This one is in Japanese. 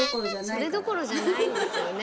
それどころじゃないんですよね。